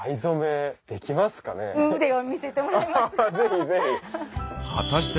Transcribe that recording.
腕を見せてもらいます。